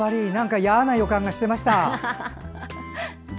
いやな予感がしてました。